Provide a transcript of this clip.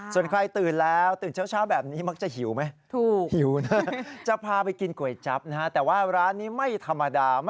ส่วนใครตื่นแล้วตื่นเช้าแบบนี้มักจะหิวไหม